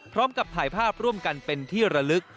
พร้อมกับถ่ายภาพร่วมกันเป็นที่ระลึก